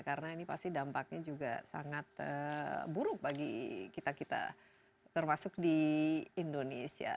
karena ini pasti dampaknya juga sangat buruk bagi kita kita termasuk di indonesia